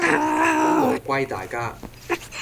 功勞歸大家